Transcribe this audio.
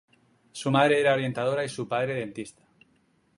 Su madre era orientadora y su padre dentista.